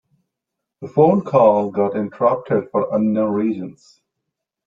The phone call got interrupted for unknown reasons.